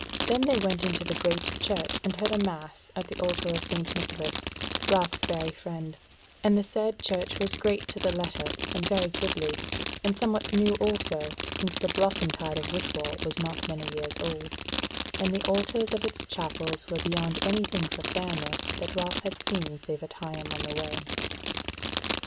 Then they went into the Great Church and heard a Mass at the altar of St. Nicholas, Ralph's very friend; and the said church was great to the letter, and very goodly, and somewhat new also, since the blossom tide of Whitwall was not many years old: and the altars of its chapels were beyond any thing for fairness that Ralph had seen save at Higham on the Way.